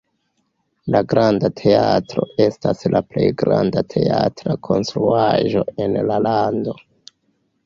La Granda Teatro estas la plej granda teatra konstruaĵo en la lando.